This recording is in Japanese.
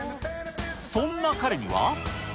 そんな彼には。